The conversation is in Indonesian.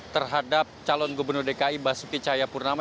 terhadap calon gubernur dki basuki cahaya purnama